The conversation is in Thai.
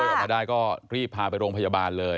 ออกมาได้ก็รีบพาไปโรงพยาบาลเลย